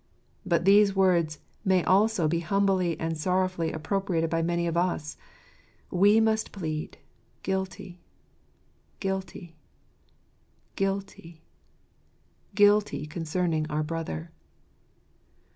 But these words may also be humbly and sorrowfully appropriated by many of us. We must plead, " Guilty ! guilty ! guilty ! guilty concerning our Brother